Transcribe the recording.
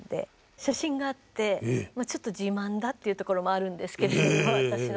写真があってちょっと自慢だっていうところもあるんですけれども私の。